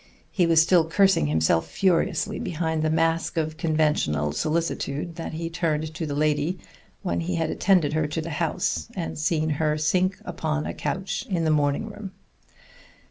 He was still cursing himself furiously behind the mask of conventional solicitude that he turned to the lady when he had attended her to the house, and seen her sink upon a couch in the morning room.